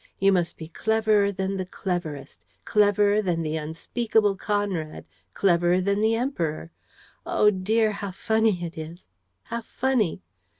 You must be cleverer than the cleverest, cleverer than the unspeakable Conrad, cleverer than the Emperor! Oh, dear, how funny it is, how funny!